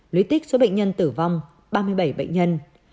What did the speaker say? lưới tích số bệnh nhân tử vong ba mươi bảy bệnh nhân